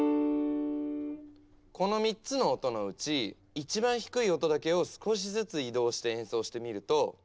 この３つの音のうち一番低い音だけを少しずつ移動して演奏してみると。